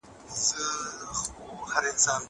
هغه څوک چي ونه ساتي ګټه کوي!